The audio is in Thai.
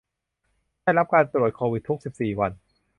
ได้รับการตรวจโควิดทุกสิบสี่วัน